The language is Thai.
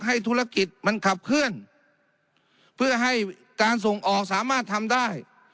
ให้ธุรกิจมันขับเคลื่อนเพื่อให้การส่งออกสามารถทำได้